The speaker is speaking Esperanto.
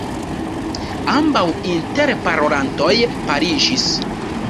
Ambaŭ interparolantoj paliĝis.